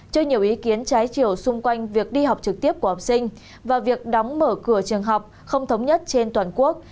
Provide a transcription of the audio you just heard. cho nhiều ý kiến trái chiều xung quanh việc đi học trực tiếp của học sinh và việc đóng mở cửa trường học không thống nhất trên toàn quốc